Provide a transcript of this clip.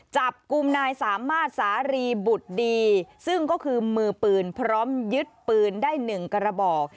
จับกลุ่มนายสามารถสารีบุตรดีซึ่งก็คือมือปืนพร้อมยึดปืนได้หนึ่งกระบอก